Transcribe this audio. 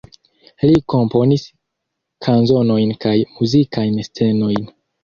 Li komponis kanzonojn kaj muzikajn scenojn.